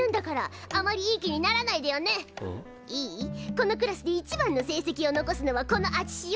このクラスでいちばんの成績を残すのはこのあちしよ。